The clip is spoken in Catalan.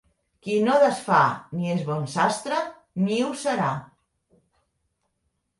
Qui no desfà ni és bon sastre ni ho serà.